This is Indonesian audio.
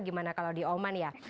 gimana kalau di oman ya